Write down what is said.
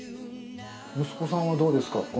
息子さんはどうですか？